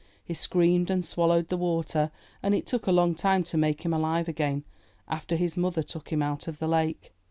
He screamed and swallowed the water, and it took a long time to make him alive again, after his mother took him out of the lake.